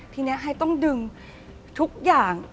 ทีนี้ให้ต้องดึงทุกอย่าง